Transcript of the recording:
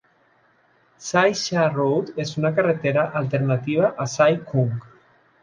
Sai Sha Road és una carretera alternativa a Sai Kung.